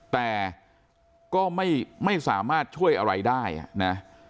แต่ก็ไม่สามารถช่วยอะไรได้นะ